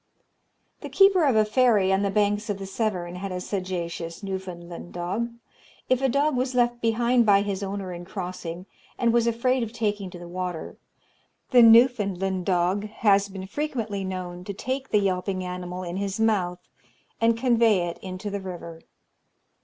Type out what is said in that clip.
The keeper of a ferry on the banks of the Severn had a sagacious Newfoundland dog. If a dog was left behind by his owner in crossing, and was afraid of taking to the water, the Newfoundland dog has been frequently known to take the yelping animal in his mouth and convey it into the river.